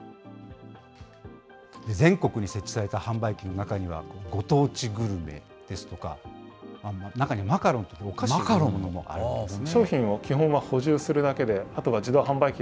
全国に設置された販売機の中には、ご当地グルメですとか、中にはマカロン、お菓子というものもあるんですね。